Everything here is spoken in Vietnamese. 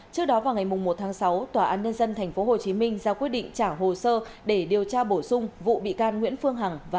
trước đó vào ngày một tháng sáu tòa án nhân dân tp hcm ra quyết định trả hồ sơ để điều tra bổ sung vụ bị can nguyễn phương hằng và bốn đồng phạm